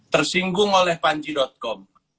tersinggung oleh panji com